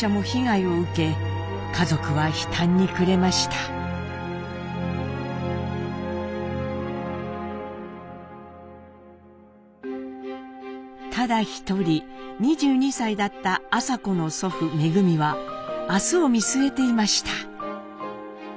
ただ一人２２歳だった麻子の祖父恩は明日を見据えていました。